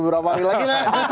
beberapa hari lagi